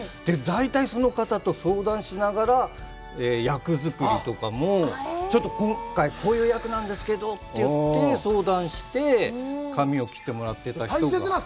大体、その方と相談しながら役作りとかも、ちょっと、今回、こういう役なんですけどって言って相談して髪を切ってもらってた人が。